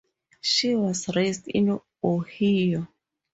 She was raised in Ohio.